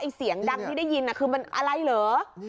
เสียงดังที่ได้ยินคือมันอะไรเหรอ